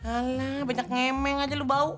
alah banyak ngemeng aja lo bau